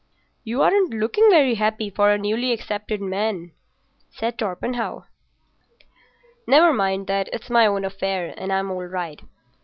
"You aren't looking very happy for a newly accepted man," said Torpenhow. "Never mind that—it's my own affair, and I'm all right.